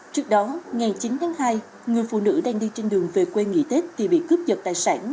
trước đó ngày chín tháng hai người phụ nữ đang đi trên đường về quê nghỉ tết thì bị cướp dật tài sản